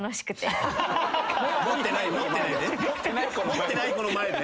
持ってない子の前で？